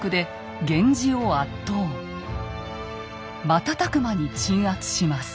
瞬く間に鎮圧します。